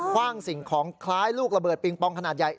ว่างสิ่งของคล้ายลูกระเบิดปิงปองขนาดใหญ่